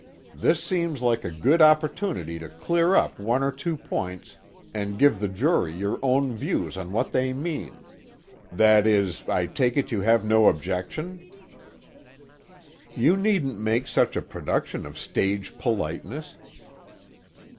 This seems like a good opportunity to clear up one or two points and give the jury your own views on what they mean that is, I take it you have no objection?" "You needn't make such a production of stage politeness."